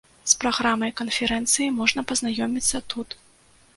З праграмай канферэнцыі можна пазнаёміцца тут.